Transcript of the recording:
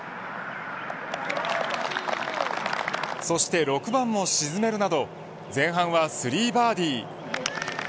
そして６番も沈めるなど前半は３バーディー。